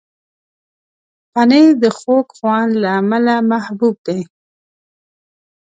پنېر د خوږ خوند له امله محبوب دی.